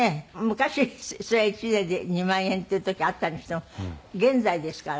昔そりゃあ１年で２万円っていう時があったにしても現在ですから。